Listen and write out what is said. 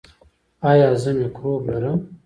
ایا زه مکروب لرم؟